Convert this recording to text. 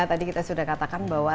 tadi kita sudah katakan bahwa